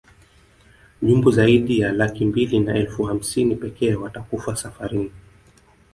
Nyumbu zaidi ya laki mbili na elfu hamsini pekee watakufa safarini